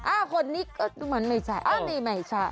คนนี้ก็ดูเหมือนไม่ใช่อ่านี่ไม่ใช่